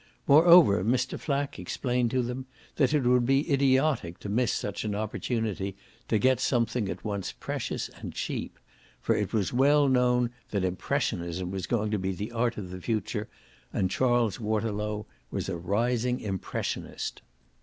Moreover Mr. Flack explained to them that it would be idiotic to miss such an opportunity to get something at once precious and cheap; for it was well known that impressionism was going to be the art of the future, and Charles Waterlow was a rising impressionist.